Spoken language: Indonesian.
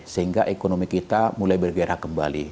sehingga ekonomi kita mulai bergerak kembali